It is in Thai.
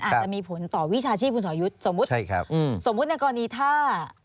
อาจจะมีผลต่อวิชาชีพคุณสอยุทธ์สมมุติใช่ครับอืมสมมุติในกรณีถ้า